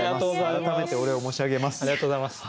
改めてお礼を申し上げます。